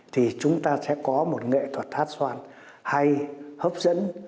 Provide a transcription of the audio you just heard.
thì chúng ta sẽ có một nghệ thuật hát xoan hay hấp dẫn